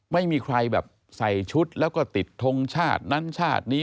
ไม่มีใครแบบใส่ชุดแล้วก็ติดทงชาตินั้นชาตินี้